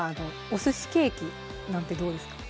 「お寿司ケーキ」なんてどうですか？